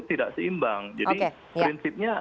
tidak seimbang jadi prinsipnya